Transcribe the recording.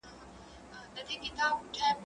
که وخت وي، ليکنه کوم؟!